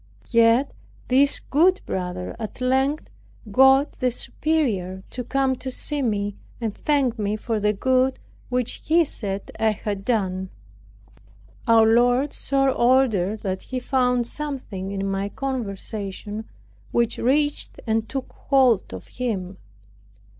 Yet this good brother at length got the superior to come to see me, and thank me for the good which he said I had done. Our Lord so ordered, that he found something in my conversation which reached and took hold of him.